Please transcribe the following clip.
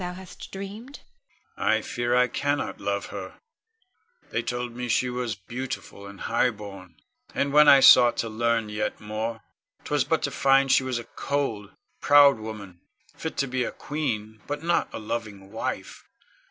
I fear I cannot love her. They told me she was beautiful and highborn; and when I sought to learn yet more, 'twas but to find she was a cold, proud woman, fit to be a queen, but not a loving wife.